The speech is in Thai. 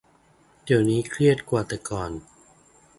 เดี๋ยวนี้เครียดกว่าแต่ก่อน